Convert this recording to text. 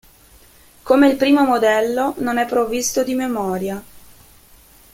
Come il primo modello non è provvisto di memoria.